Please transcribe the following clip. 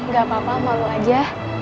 gak apa apa malu aja